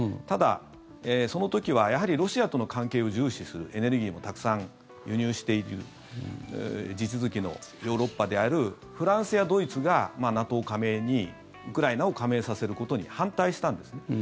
ただ、その時はやはりロシアとの関係を重視するエネルギーもたくさん輸入している地続きのヨーロッパであるフランスやドイツがＮＡＴＯ加盟にウクライナを加盟させることに反対したんですね。